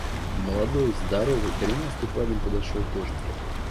Молодой, здоровый, коренастый парень подошел тоже.